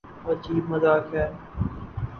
عجیب مذاق ہے۔